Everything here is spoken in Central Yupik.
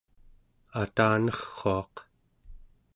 atanerruaq